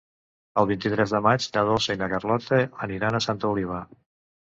El vint-i-tres de maig na Dolça i na Carlota aniran a Santa Oliva.